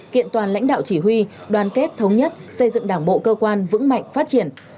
kiện toàn lãnh đạo chỉ huy đoàn kết thống nhất xây dựng đảng bộ cơ quan vững mạnh phát triển